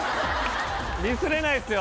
ミスれないっすよ